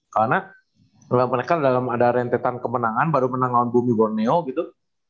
karena mereka dalam ada rentetan kemenangan baru menang lawan bumi borneo gitu